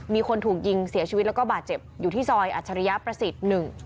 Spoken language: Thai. มีคนถูกยิงเสียชีวิตแล้วก็บาดเจ็บอยู่ที่ซอยอัจฉริยประสิทธิ์๑